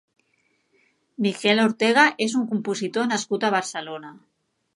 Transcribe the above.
Miquel Ortega és un compositor nascut a Barcelona.